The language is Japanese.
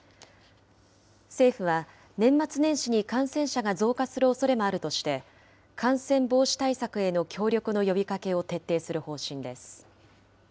政府は年末年始に感染者が増加するおそれもあるとして、感染防止対策への協力の呼びかけを徹底する方針です。